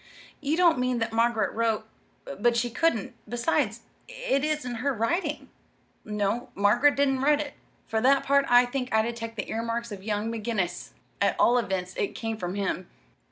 "You don't mean that Margaret wrote but she couldn't; besides, it isn't her writing." "No, Margaret didn't write it. For that part I think I detect the earmarks of young McGinnis. At all events, it came from him."